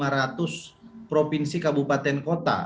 jadi itu adalah anggaran yang harus provinsi kabupaten kota